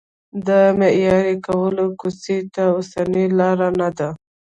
د معیاري کولو کوڅې ته اوسنۍ لار نه ده.